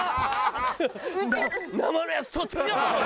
生のやつ捕ってきたぞ！